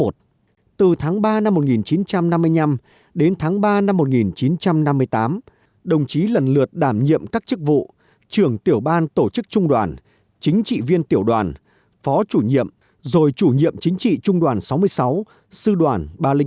từ tháng ba năm một nghìn chín trăm năm mươi năm đến tháng ba năm một nghìn chín trăm năm mươi tám đồng chí lần lượt đảm nhiệm các chức vụ trưởng tiểu ban tổ chức trung đoàn chính trị viên tiểu đoàn phó chủ nhiệm rồi chủ nhiệm chính trị trung đoàn sáu mươi sáu sư đoàn ba trăm linh bốn